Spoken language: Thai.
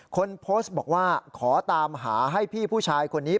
คนโพสต์บอกว่าขอตามหาให้พี่ผู้ชายคนนี้